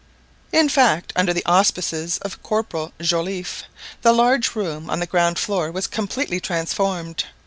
In fact, under the auspices of Corporal Joliffe, the large room on the ground floor was completely transformed.